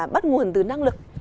bắt nguồn từ năng lực